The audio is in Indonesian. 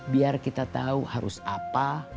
biar kita tahu harus apa